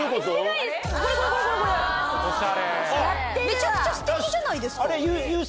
めちゃくちゃステキじゃないですか。